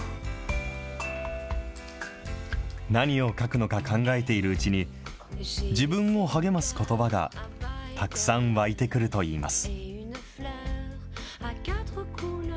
何を書くのか考えているうちに、自分を励ますことばがたくさん湧いてくるといいます。